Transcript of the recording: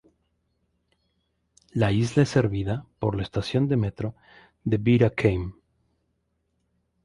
La isla es servida por la estación de metro de Bir-Hakeim.